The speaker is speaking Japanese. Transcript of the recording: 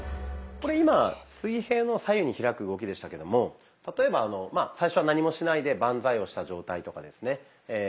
これ今水平の左右に開く動きでしたけども例えば最初は何もしないでバンザイをした状態とかですね。